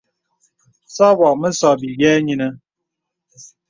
Sɔbɔ̄ mə sɔ̄ bìyɛ yìnə̀.